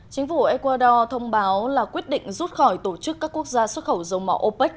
chính phủ ecuador thông báo là quyết định rút khỏi tổ chức các quốc gia xuất khẩu dầu mỏ opec